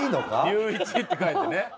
「竜一」って書いてね。